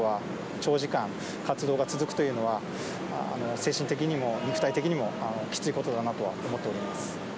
長時間活動が続くというのは、精神的にも肉体的にもきついことだなとは思っております。